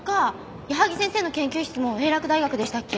矢萩先生の研究室も英洛大学でしたっけ。